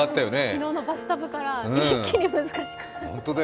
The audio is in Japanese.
昨日のバスタブから一気に難しく。